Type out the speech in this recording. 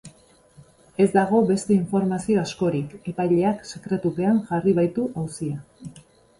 Ez dago beste informazio askorik, epaileak sekretupean jarri baitu auzia.